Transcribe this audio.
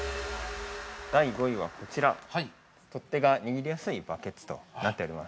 ◆第５位は、こちら取手が握りやすいバケツとなっております。